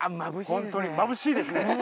ホントにまぶしいですね。